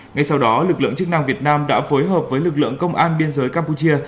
ngay sau đó lực lượng chức năng việt nam đã phối hợp với lực lượng công an biên giới campuchia